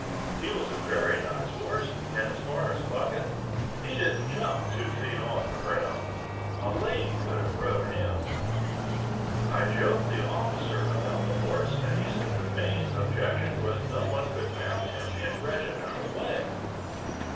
He was a very nice horse and as far as bucking, he didn't jump two feet off the ground. A lady could have rode him. I joked the officer about the horse and he said the main objection was no one could mount him in regimental way.